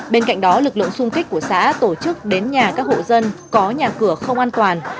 bên cạnh đó lực lượng xung kích của xã tổ chức đến nhà các hộ dân có nhà cửa không an toàn